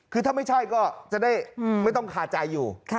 คือถ้าไม่ใช่ก็จะได้ไม่ต้องคาใจอยู่